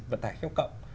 vận tải khéo cộng